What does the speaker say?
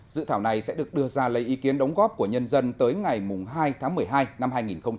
dự thảo này sẽ được đưa ra lấy ý kiến đóng góp của nhân dân tới ngày hai tháng một mươi hai năm hai nghìn hai mươi